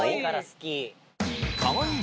かわいい。